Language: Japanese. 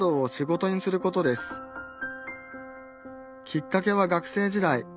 きっかけは学生時代。